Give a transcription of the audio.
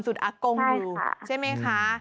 สูตรอักงดูใช่ไหมคะ